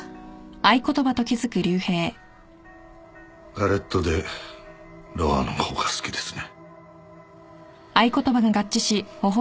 ガレット・デ・ロワの方が好きですね。